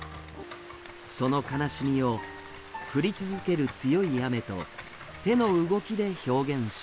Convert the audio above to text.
その悲しみを降り続ける強い雨と手の動きで表現しています。